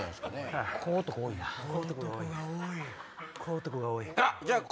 小男が多い。